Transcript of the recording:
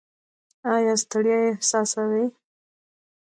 ایا ستړیا احساسوئ؟